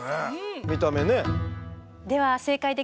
見た目ね。